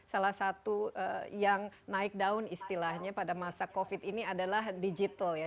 salah satu yang naik daun istilahnya pada masa covid ini adalah digital ya